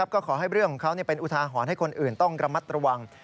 ก็ขอให้เรื่องของเขาเป็นอุทาหรณ์ให้คนอื่นต้องระมัดระวัง